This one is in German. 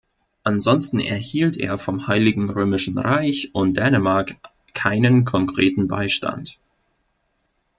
Ansonsten erhielt er vom Heiligen Römischen Reich und Dänemark keinen konkreten Beistand.